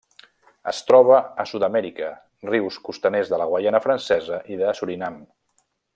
Es troba a Sud-amèrica: rius costaners de la Guaiana Francesa i de Surinam.